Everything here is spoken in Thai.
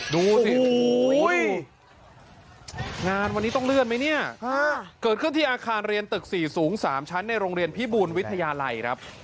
ดูสิงานวันนี้ต้องเลื่อนไหมเนี่ยเกิดขึ้นที่อาคารเรียนตึก๔สูง๓ชั้นในโรงเรียนพิบูลวิทยาลัยครับ